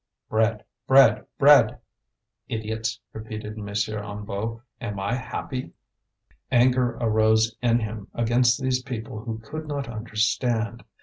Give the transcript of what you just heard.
"Bread! bread! bread!" "Idiots!" repeated M. Hennebeau; "am I happy?" Anger arose in him against these people who could not understand.